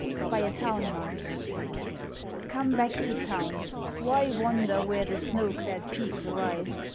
(BY A TOWN MOUSE.) Come back to Town! Why wander where The snow clad peaks arise?